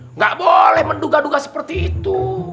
tidak boleh menduga duga seperti itu